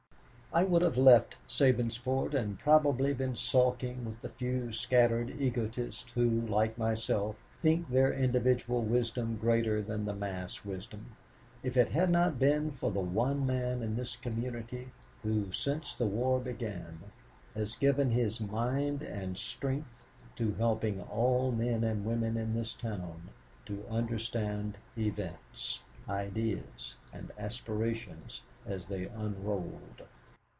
"I would have left Sabinsport and probably been sulking with the few scattered egotists, who, like myself, think their individual wisdom greater than the mass wisdom, if it had not been for the one man in this community who, since the war began, has given his mind and strength to helping all men and women in this town to understand events, ideas, and aspirations as they unrolled.